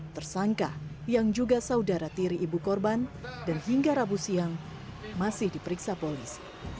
tersangka yang juga saudara tiri ibu korban dan hingga rabu siang masih diperiksa polis